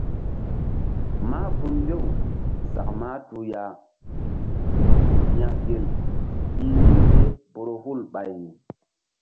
Mah gun mbew sak mahtuh ya yagel i yin ye Borohul ɓay.